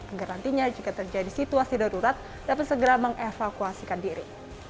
agar nantinya jika terjadi situasi darurat dapat segera mengevakuasikan diri